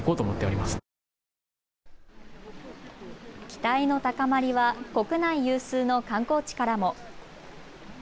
期待の高まりは国内有数の観光地からも。